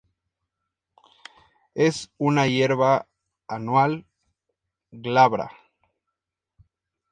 Es una hierba anual, glabra.